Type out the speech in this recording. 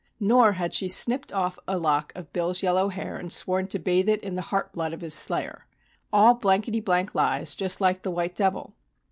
Nor had she snipped off a lock of Bill's yellow hair and sworn to bathe it in the heart blood of his slayer. All blankety blank lies, just like the "White Devil."